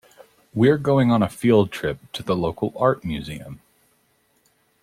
We're going on a field trip to the local art museum.